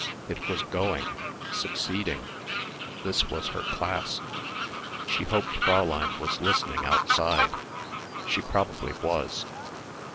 It was going succeeding. This was her class. She hoped Fräulein was listening outside. She probably was.